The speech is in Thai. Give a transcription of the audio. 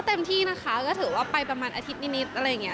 เต็มที่นะคะก็ถือว่าไปประมาณอาทิตย์นิดอะไรอย่างนี้